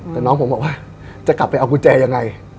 แต่น้องผมบอกว่าจะกลับไปเอากุญแจยังไง